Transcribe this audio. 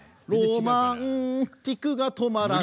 「ロマンティックが止まらない」